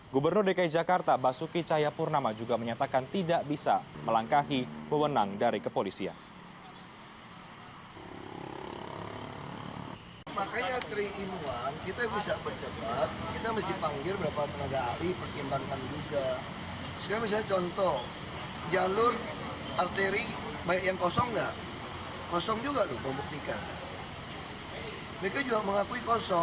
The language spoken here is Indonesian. gubernur dki jakarta basuki cahyapurnama juga menyatakan tidak bisa melangkahi pewenang dari kepolisian